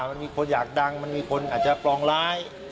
มันมีคนอยากดังมันมีคนอาจจะปลองร้าย